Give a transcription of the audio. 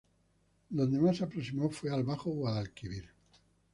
Donde más se aproximó fue al bajo Guadalquivir.